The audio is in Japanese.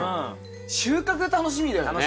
収穫楽しみだよね。